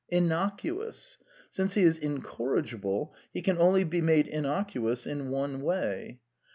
"Innocuous. Since he is incorrigible, he can only be made innocuous in one way.